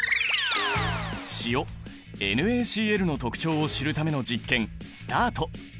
塩ＮａＣｌの特徴を知るための実験スタート！